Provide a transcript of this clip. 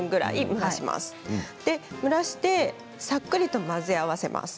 蒸らしてさっくりと混ぜ合わせます。